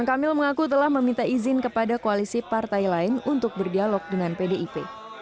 kang emil mengaku telah meminta izin kepada koalisi partai lain untuk berdialog dengan pdip